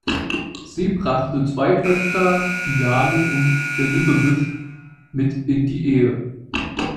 Sie brachte zwei Töchter, Diane und Elizabeth, mit in die Ehe.